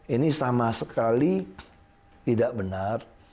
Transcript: ini sama sekali tidak benar